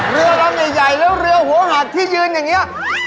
เรือลำใหญ่แล้วเรือหัวหักที่ยืนอย่างนี้